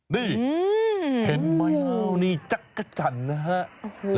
นี่เห็นไหมนี่จักรจันทร์นะฮะ